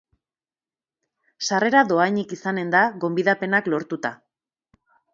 Sarrera dohainik izanen da, gonbidapenak lortuta.